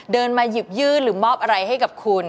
เดินมาหยิบยื่นหรือมอบอะไรให้กับคุณ